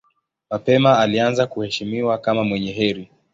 Mapema alianza kuheshimiwa kama mwenye heri.